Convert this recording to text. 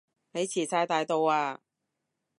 你遲哂大到啊